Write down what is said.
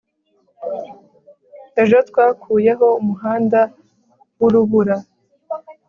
ejo twakuyeho umuhanda wurubura